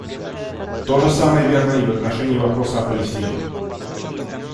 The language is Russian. То же самое верно и в отношении вопроса о Палестине.